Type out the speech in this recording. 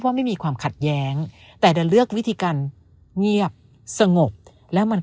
ไม่มีความขัดแย้งแต่จะเลือกวิธีการเงียบสงบแล้วมัน